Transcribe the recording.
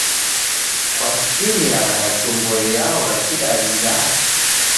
Kwasikiriagha chumbo riao ra Kidawi'da?